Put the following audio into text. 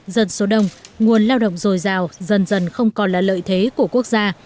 dân số đông nguồn lao động dồi dào dần dần không còn là lợi thế của quốc gia